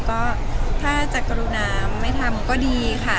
ก็ถ้าจะกรุณาไม่ทำก็ดีค่ะ